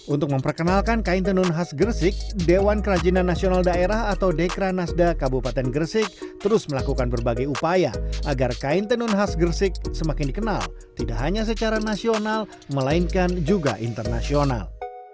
untuk memperkenalkan kain tenun khas gresik dewan kerajinan nasional daerah atau dekranasda kabupaten gresik terus melakukan berbagai upaya agar kain tenun khas gresik semakin dikenal tidak hanya secara nasional melainkan juga internasional